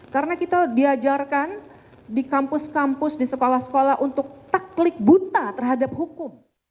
karena kita diajarkan di kampus kampus di sekolah sekolah untuk tak klik buta terhadap hukum